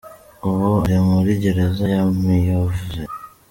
Ubu ari muri Gereza ya Miyove.”